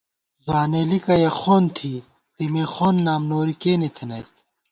ځوانېلِکہ یَہ خَون تھی ، تېمے خَوند نام نوری کېنےتھنَئیت